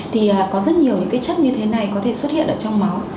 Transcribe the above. thì có rất nhiều những chất như thế này có thể xuất hiện trong máu